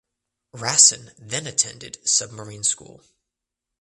Rasin then attended submarine school.